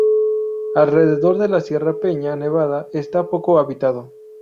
Alrededor de la Sierra Peña Nevada está poco habitado.